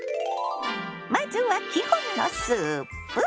まずは基本のスープ？